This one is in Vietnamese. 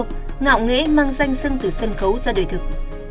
do ngạo nghệ mang danh dưng từ sân khấu ra đời thực